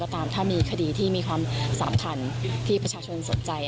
ตามถ้ามีคดีที่มีความสำคัญที่ประชาชนสนใจ